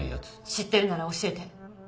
知ってるなら教えて。